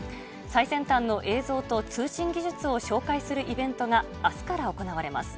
最先端の映像と通信技術を紹介するイベントがあすから行われます。